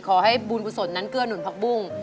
ขอให้บุญกุศลนั้นเกื้อหนุนผักบุ้ง